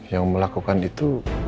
yang melakukan itu